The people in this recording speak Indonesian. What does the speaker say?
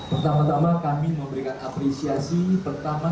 pertama tama kami memberikan apresiasi pertama